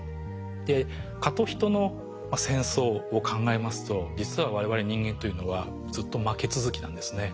で蚊と人の戦争を考えますと実は我々人間というのはずっと負け続きなんですね。